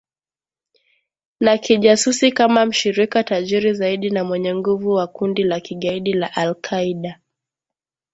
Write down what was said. na kijasusi kama mshirika tajiri zaidi na mwenye nguvu wa kundi la kigaidi la al Qaida